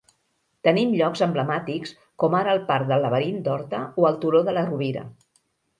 Tenim llocs emblemàtics com ara el parc del Laberint d'Horta o el Turó de la Rovira.